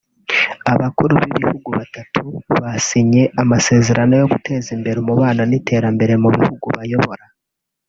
Abakuru b’ibihugu batatu basinye amasezerano yo guteza imbere umubano n’iterambere mu bihugu bayobora